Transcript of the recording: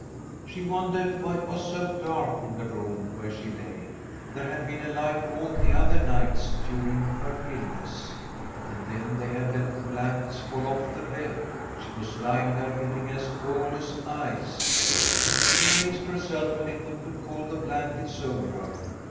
She wondered why it was so dark in the room where she lay. There had been a light all the other nights during her illness. And then they had let the blankets fall off the bed. She was [J9] From a SWEDISH HOMESTEAD lying there getting as cold as ice. She raised herself a little to pull the blankets over her.